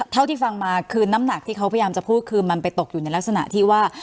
เท่าที่ฟังมาคือน้ำหนักที่เขาพยายามจะพูดคือมันไปตกอยู่ในลักษณะที่ว่า